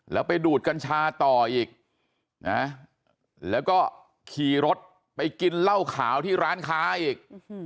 แล้วไปดูดกัญชาต่ออีกนะแล้วก็ขี่รถไปกินเหล้าขาวที่ร้านค้าอีก